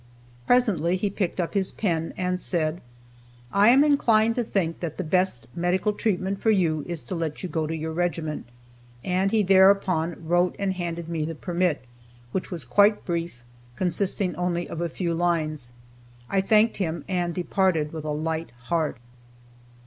Presently he picked up his pen, and said: "I am inclined to think that the best medical treatment for you is to let you go to your regiment;" and he thereupon wrote and handed me the permit, which was quite brief, consisting only of a few lines. I thanked him, and departed with a light heart.